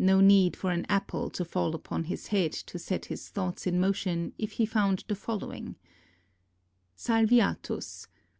No need for an apple to fall upon his head to set his thoughts in motion if he found the following : Salviatus.